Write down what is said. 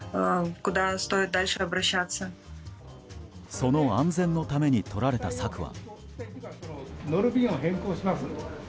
その安全のためにとられた策は。